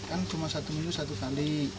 kan cuma satu minggu satu kali